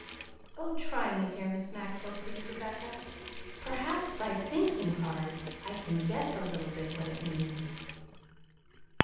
"Oh, try me, dear Miss Maxwell!" pleaded Rebecca. "Perhaps by thinking hard I can guess a little bit what it means."